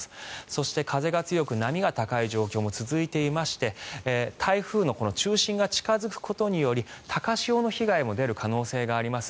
そして風が強く、波が高い状況も続いていまして台風の中心が近付くことにより高潮の被害が出る可能性もあります。